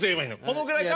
このぐらいか？